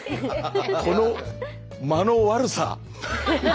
この間の悪さ。